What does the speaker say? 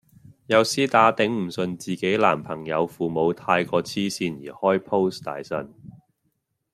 有絲打頂唔順自己男朋友父母太過痴線而開 post 大呻